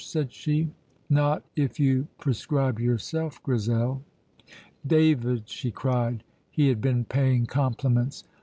said she. "Not if you prescribe yourself, Grizel." "David!" she cried. He had been paying compliments!